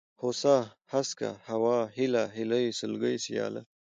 هوسا ، هسکه ، هوا ، هېله ، هيلۍ ، سلگۍ ، سياله